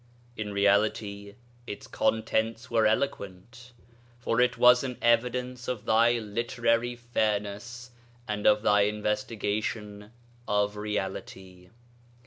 In reality its contents were eloquent, for it was an evidence of thy literary fairness and of thy investigation of Reality....